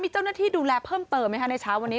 เจ้าหน้าที่ดูแลเพิ่มเติมไหมคะในเช้าวันนี้